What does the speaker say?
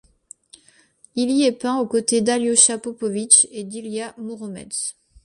Il y est peint aux côtés d'Aliocha Popovitch et d'Ilya Mouromets.